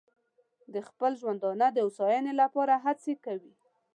د خپل ژوندانه د هوساینې لپاره هڅې کوي.